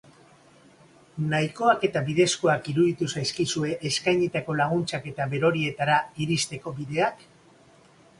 Nahikoak eta bidezkoak iruditu zaizkizue eskainitako laguntzak eta berorietara iristeko bideak?